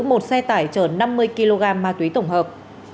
một xe tải chở năm mươi kg ma túy tổng hợp